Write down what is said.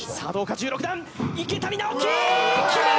１６段池谷直樹！